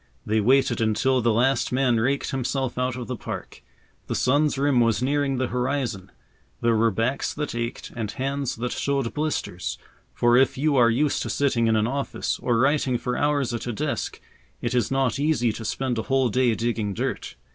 They waited until the last man raked himself out of the park. The sun's rim was nearing the horizon. There were backs that ached and hands that showed blisters, for if you are used to sitting in an office, or writing for hours at a desk, it is not easy to spend a whole day digging dirt.